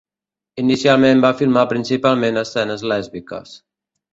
Inicialment va filmar principalment escenes lèsbiques.